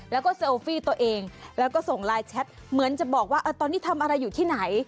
แล้วก็เซลฟี่ตัวเองแล้วก็ส่งไลน์แชทเหมือนจะบอกว่าตอนนี้ทำอะไรอยู่ที่ไหน